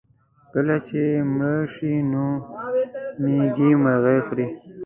کله چې مړه شي نو مېږي مرغۍ خوري.